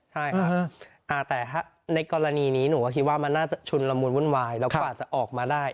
ใช่ครับแต่ถ้าในกรณีนี้หนูก็คิดว่ามันน่าจะชุนละมุนวุ่นวายแล้วก็อาจจะออกมาได้